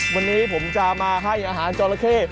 วันนี้ผมจะมาให้อาหารจอละเข้